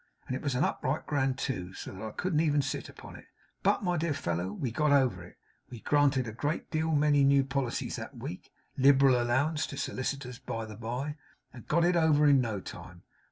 And it was an upright grand too, so that I couldn't even sit upon it. But, my dear fellow, we got over it. We granted a great many new policies that week (liberal allowance to solicitors, by the bye), and got over it in no time.